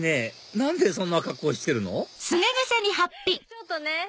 ちょっとね。